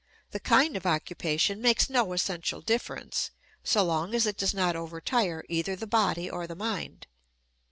The kind of occupation makes no essential difference, so long as it does not overtire either the body or the mind.